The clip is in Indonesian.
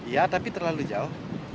ya tapi terlalu jauh